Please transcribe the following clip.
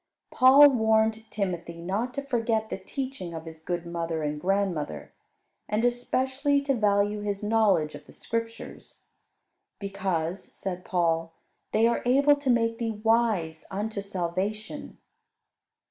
Paul warned Timothy not to forget the teaching of his good mother and grandmother; and especially to value his knowledge of the Scriptures. Because, said Paul, "they are able to make thee wise unto salvation."